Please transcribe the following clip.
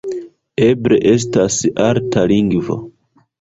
Eble estas arta lingvo.